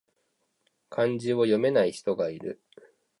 漢字を読めない人がいる